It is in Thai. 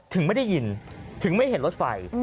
ไม่ได้ยินถึงไม่เห็นรถไฟ